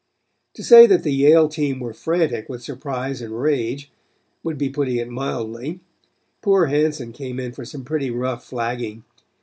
To say that the Yale team were frantic with surprise and rage would be putting it mildly. Poor Hanson came in for some pretty rough flagging.